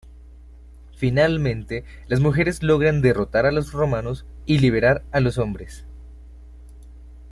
Finalmente, las mujeres logran derrotar a los romanos y liberar a los hombres.